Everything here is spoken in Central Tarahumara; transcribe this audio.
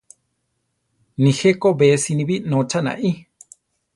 Nijé Ko be siníbi nócha naí.